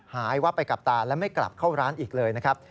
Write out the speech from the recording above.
วับไปกับตาและไม่กลับเข้าร้านอีกเลยนะครับ